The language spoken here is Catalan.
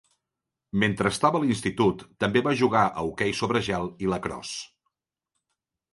Mentre estava a l'institut, també va jugar a hoquei sobre gel i "lacrosse".